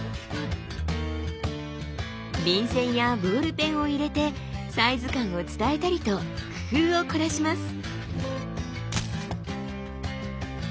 便箋やボールペンを入れてサイズ感を伝えたりと工夫を凝らします。